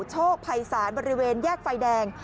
โชคภัยศาลบริเวณแยกไฟแดง